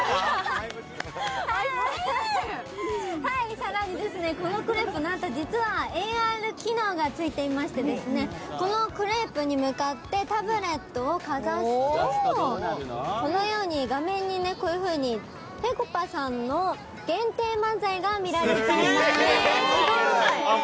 更に、このクレープ何と実はＡＲ機能がついていましてこのクレープに向かってタブレットをかざすとこのように画面にぺこぱさんの限定漫才が見られちゃいます。